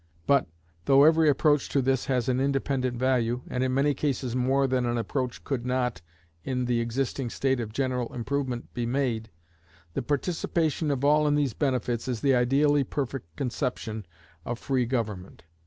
But, though every approach to this has an independent value, and in many cases more than an approach could not, in the existing state of general improvement, be made, the participation of all in these benefits is the ideally perfect conception of free government.